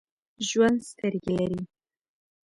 ژوندي سترګې لري